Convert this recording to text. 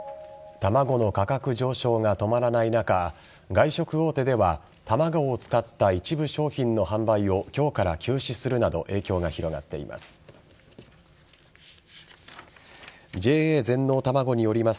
卵の価格上昇が止まらない中外食大手では卵を使った一部商品の販売を今日から休止するなど影響が広がっています。